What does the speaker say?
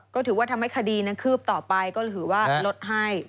ก็ถือว่าทำให้คดีนั้นคืบต่อไปก็ถือว่าลดให้